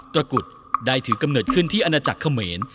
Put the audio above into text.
ระกุฎได้ถือกำเนิดขึ้นที่อาณาจักรเขมร